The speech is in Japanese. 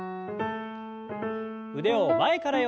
腕を前から横に。